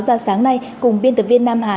ra sáng nay cùng biên tập viên nam hà